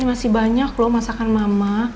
masih banyak loh masakan mama